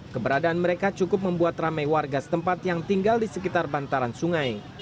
keberadaan mereka cukup membuat ramai warga setempat yang tinggal di sekitar bantaran sungai